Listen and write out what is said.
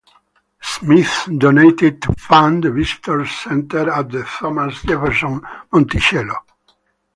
Smith donated to fund the visitor's center at Thomas Jefferson's Monticello.